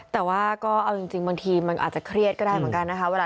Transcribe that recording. แต่ว่าก็เอาจริงบางทีมันอาจจะเครียดก็ได้เหมือนกันนะคะ